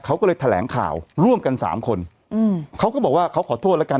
เขาก็เลยแถลงข่าวร่วมกันสามคนอืมเขาก็บอกว่าเขาขอโทษแล้วกัน